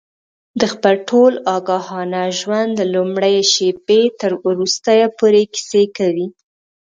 د خپل ټول آګاهانه ژوند له لومړۍ شېبې تر وروستۍ پورې کیسې کوي.